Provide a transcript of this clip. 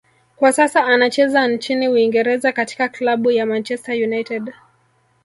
kwa sasa anacheza nchini Uingereza katika klabu ya Manchester United